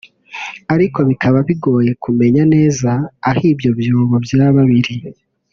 ariko bikaba bigoye kumenya neza aho ibyo byobo byari biri